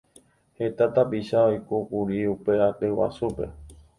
Heta tapicha oĩkuri upe aty guasúpe.